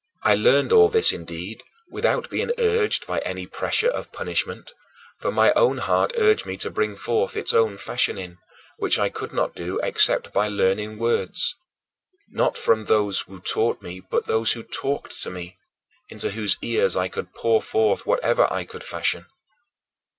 I learned all this, indeed, without being urged by any pressure of punishment, for my own heart urged me to bring forth its own fashioning, which I could not do except by learning words: not from those who taught me but those who talked to me, into whose ears I could pour forth whatever I could fashion.